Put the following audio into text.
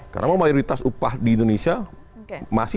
karena mayoritas upah di indonesia